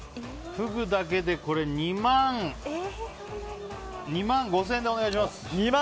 フグだけで２万５０００円でお願いします。